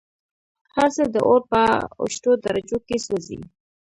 هرڅه د اور په اوچتو درجو كي سوزي